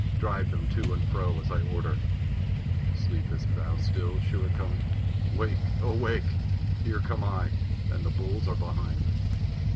Drive them to and fro as I order. Sleepest thou still, Shere Khan? Wake, oh, wake! Here come I, and the bulls are behind.